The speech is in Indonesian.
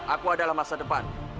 aku adalah masa depan